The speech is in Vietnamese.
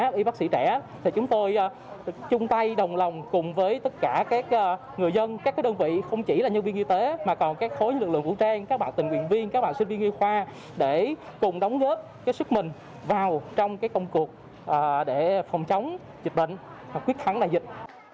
các y bác sĩ trẻ thì chúng tôi chung tay đồng lòng cùng với tất cả các người dân các đơn vị không chỉ là nhân viên y tế mà còn các khối lực lượng vũ trang các bạn tình nguyện viên các bạn sinh viên y khoa để cùng đóng góp sức mình vào trong công cuộc để phòng chống dịch bệnh quyết thắng là dịch